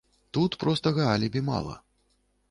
Тут простага алібі мала.